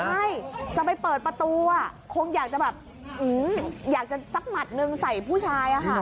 ใช่จะไปเปิดประตูคงอยากจะสักหมดหนึ่งใส่ผู้ชาย